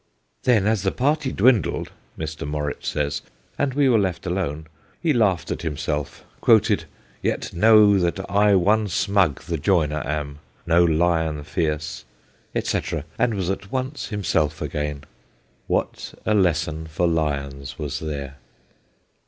' Then, as the party dwindled/ Mr. Morritt says, 'and we were left alone, he laughed at him self, quoted " Yet know that I one Smug the joiner am no lion fierce," etc., and was at once himself again.' What a lesson for lions was there